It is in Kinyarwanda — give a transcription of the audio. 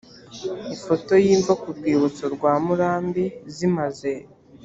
ifoto y imva ku rwibutso rwa murambi zimaze